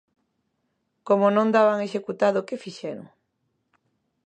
Como non daban executado, ¿que fixeron?